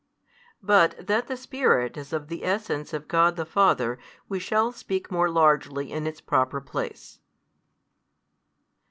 But that the Spirit is of the Essence of God the Father we shall speak more largely in its proper place.